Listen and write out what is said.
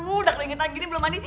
udah keringin tangi ini belum mandi